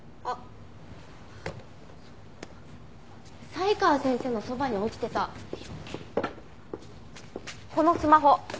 才川先生のそばに落ちてたこのスマホ。